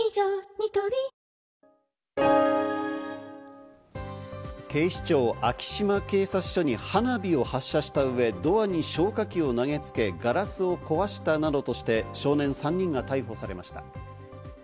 ニトリ警視庁・昭島警察署に花火を発射した上、ドアに消火器を投げ付け、ガラスを壊したなどとして、少年３人が逮捕されました。